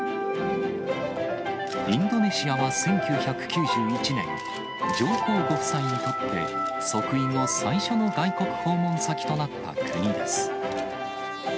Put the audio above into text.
インドネシアは１９９１年、上皇ご夫妻にとって、即位後最初の外国訪問先となった国です。